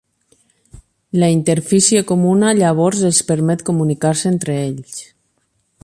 La interfície comuna llavors els permet comunicar-se entre ells.